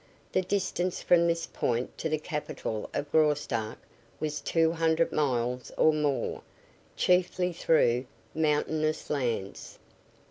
The distance from this point to the capital of Graustark was two hundred miles or more, chiefly through mountainous lands.